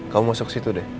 kamu masuk situ deh